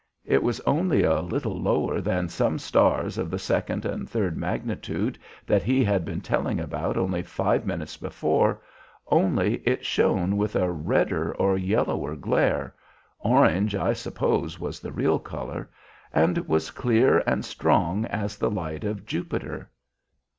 It was only a little lower than some stars of the second and third magnitude that he had been telling about only five minutes before, only it shone with a redder or yellower glare, orange I suppose was the real color, and was clear and strong as the light of Jupiter.